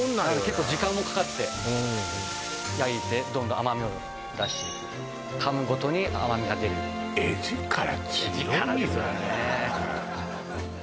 結構時間もかかって焼いてどんどん甘みを出していく噛むごとに甘みが出る画力ですよね